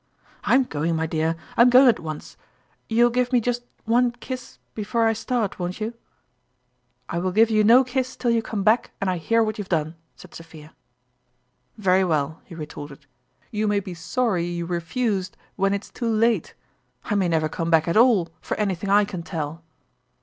" I'm going, my dear I'm going at once !... You'll give me just one kiss before I start, won't you ?"" I will give you no kiss till you come back and I hear what you have done," said Sophia. Culminating 145 " Yery well," he retorted ;" you may be sorry you refused when it's too late ! I may never come back at all, for anything I can tell